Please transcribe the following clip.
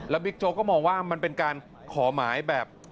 บิ๊กโจ๊กก็มองว่ามันเป็นการขอหมายแบบ